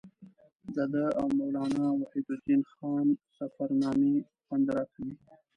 د ده او مولانا وحیدالدین خان سفرنامې خوند راکوي.